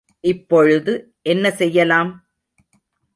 இப்பொழுது என்ன செய்யலாம்?